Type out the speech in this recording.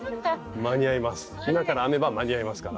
今から編めば間に合いますから。